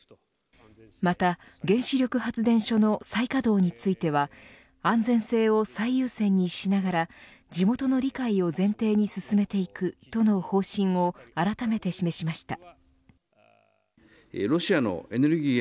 また原子力発電所の再稼働については安全性を最優先にしながら地元の理解を前提に進めていくとの方針をあらためて示しました。